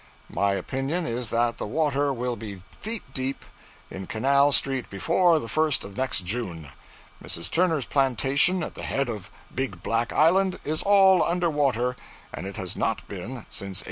My opinion is that the water will be feet deep in Canal street before the first of next June. Mrs. Turner's plantation at the head of Big Black Island is all under water, and it has not been since 1815.